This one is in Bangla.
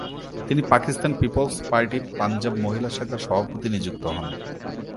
তিনি পাকিস্তান পিপলস্ পার্টি পাঞ্জাব মহিলা শাখার সভাপতি নিযুক্ত হন।